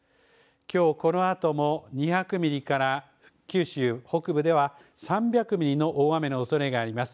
きょうこの後も２００ミリから九州北部では３００ミリの大雨のおそれがあります。